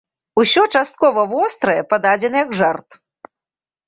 Усё часткова вострае пададзена як жарт.